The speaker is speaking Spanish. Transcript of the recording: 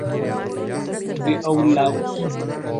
The Outlaws".